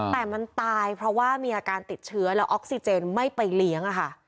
แต่มันตายเพราะว่ามีอาการติดเชื้อแล้วออกซิเจนไม่ไปเลี้ยง